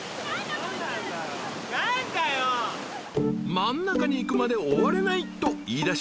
［真ん中に行くまで終われないと言いだし